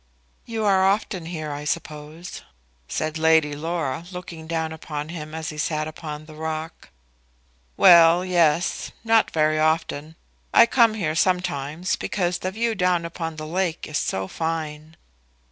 "You are often here, I suppose?" said Lady Laura, looking down upon him as he sat upon the rock. "Well; yes; not very often; I come here sometimes because the view down upon the lake is so fine."